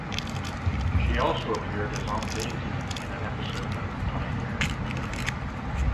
She also appeared as Aunt Daisy in an episode of "Pioneer Women".